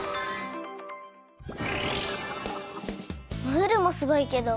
ムールもすごいけどおおき